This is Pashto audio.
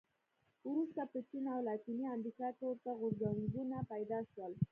وروسته په چین او لاتینې امریکا کې ورته غورځنګونه پیدا شول.